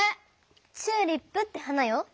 チューリップって花よ。